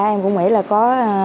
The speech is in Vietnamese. em cũng nghĩ là có